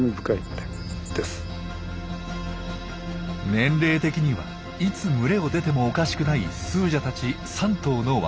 年齢的にはいつ群れを出てもおかしくないスージャたち３頭の若